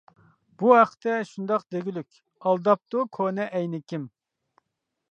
بۇ ھەقتە شۇنداق دېگۈلۈك، ئالداپتۇ كونا ئەينىكىم.